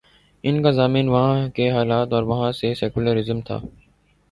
ان کا ضامن وہاں کے حالات اور وہاں کا سیکولر ازم تھا۔